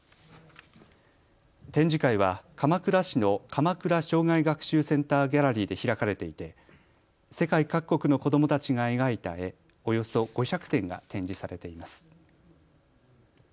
展示会は鎌倉市の鎌倉生涯学習センターギャラリーで開かれていて世界各国の子どもたちが描いた絵およそ５００点が展示されています。